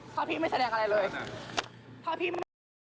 ถ้าพี่ไม่แสดงอะไรเลย